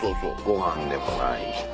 ご飯でもない。